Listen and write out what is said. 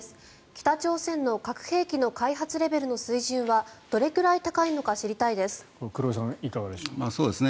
北朝鮮の核兵器の開発レベルの水準はどれくらい高いのか知りたいです。